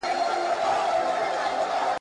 سیاستوال به په ټولنه کې پرېکړې وکړي.